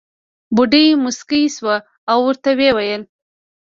بوډۍ موسکۍ شوه او ورته وې وېل.